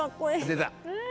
出た。